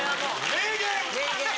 名言。